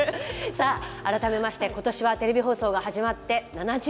さあ改めまして今年はテレビ放送が始まって７０年です。